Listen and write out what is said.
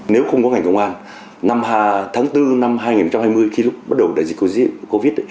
nếu không có ngành công an tháng bốn năm hai nghìn hai mươi khi lúc bắt đầu đại dịch covid